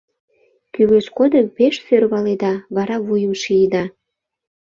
Кӱлеш годым пеш сӧрваледа, вара вуйым шийыда!